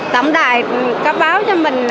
tổng đài có báo cho mình